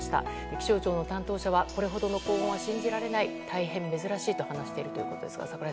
気象庁の担当者はこれほどの高温は信じられない大変珍しいと話しているということです。